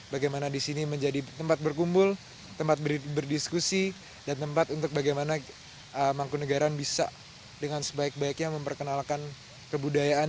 bagaimana di sini menjadi tempat berkumpul tempat berdiskusi dan tempat untuk bagaimana mangkunagaran bisa dengan sebaik baiknya memperkenalkan kebudayaan